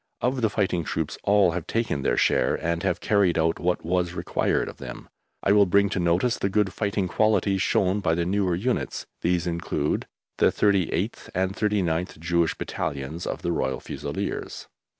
Of the fighting troops, all have taken their share and have carried out what was required of them. I will bring to notice the good fighting qualities shown by the newer units. These include ... the 38th and 39th (Jewish) Battalions of the Royal Fusiliers.